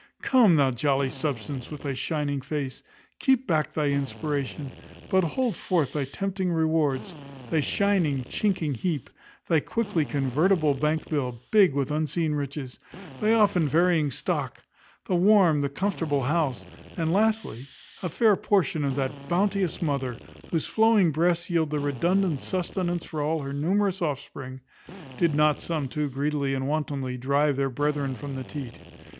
Come, thou jolly substance, with thy shining face, keep back thy inspiration, but hold forth thy tempting rewards; thy shining, chinking heap; thy quickly convertible bank bill, big with unseen riches; thy often varying stock; the warm, the comfortable house; and, lastly, a fair portion of that bounteous mother, whose flowing breasts yield redundant sustenance for all her numerous offspring, did not some too greedily and wantonly drive their brethren from the teat.